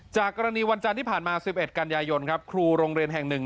จากกรณีวันจันทร์ที่ผ่านมา๑๑กันยายนครับครูโรงเรียนแห่งหนึ่ง